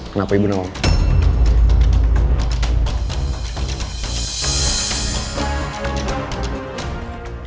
kenapa ibu nawang